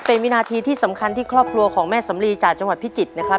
เป็นวินาทีที่สำคัญที่ครอบครัวของแม่สำลีจากจังหวัดพิจิตรนะครับ